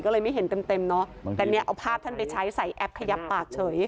ก็เลยไม่เห็นเต็มเต็มเนอะแต่เนี่ยเอาภาพท่านไปใช้ใส่แอปขยับปากเฉย